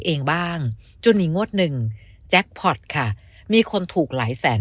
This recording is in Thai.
เองบ้างจนมีงวดหนึ่งแจ็คพอร์ตค่ะมีคนถูกหลายแสน